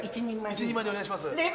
１人前でお願いします。